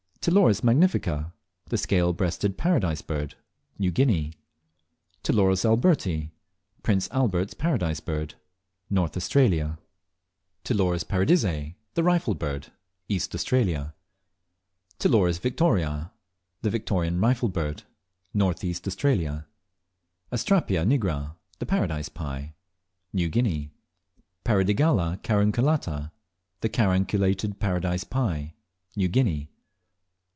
12. Ptiloris magnifica (The Scale breasted Paradise Bird). New Guinea. 13. Ptiloris alberti (Prince Albert's Paradise Bird). North Australia. 14. Ptiloris Paradisea (The Rifle Bird). East Australia. 15. Ptiloris victoriae (The Victorian Rifle Bird). North East Australia. 16. Astrapia nigra (The Paradise Pie). New Guinea. 17. Paradigalla carunculata (The Carunculated Paradise Pie). New Guinea.